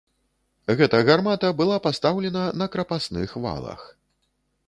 Гэта гармата была пастаўлена на крапасных валах.